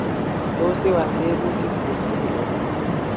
tos iwal tebutik chuk tugul eng iman